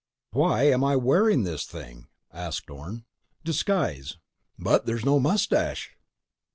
"Why am I wearing this thing?" asked Orne. "Disguise." "But there's no mustache!"